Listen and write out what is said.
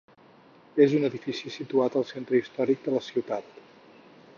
És un edifici situat al centre històric de la ciutat.